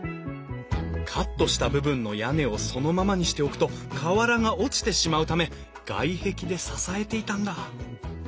カットした部分の屋根をそのままにしておくと瓦が落ちてしまうため外壁で支えていたんだ。